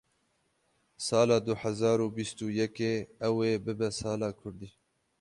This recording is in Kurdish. sala du hezar û bîst û yekê ew ê bibe sala kurdî.